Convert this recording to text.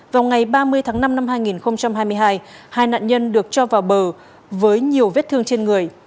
vào ngày ba mươi tháng năm năm hai nghìn hai mươi hai hai nạn nhân được cho vào bờ với nhiều vết thương trên người